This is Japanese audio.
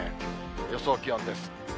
予想気温です。